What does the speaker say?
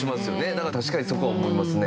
だから確かにそこは思いますね。